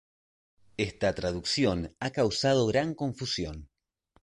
Esta traducción ha causado gran confusión.